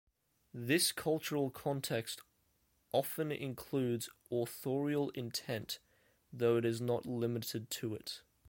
This cultural context often includes authorial intent, though it is not limited to it.